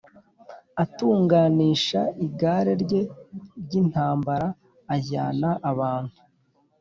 atunganisha igare rye ry intambara ajyana abantu